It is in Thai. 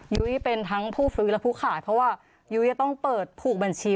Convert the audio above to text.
ยุ้ยเป็นทั้งผู้ซื้อและผู้ขายเพราะว่ายุ้ยจะต้องเปิดผูกบัญชี